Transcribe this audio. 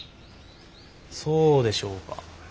そうでしょうか。